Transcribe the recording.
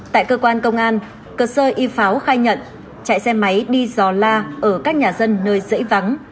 tại cơ quan công an cơ sơ y pháo khai nhận chạy xe máy đi dò la ở các nhà dân nơi dãy vắng